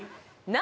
何？